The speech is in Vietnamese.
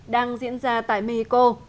đang diễn ra tại mexico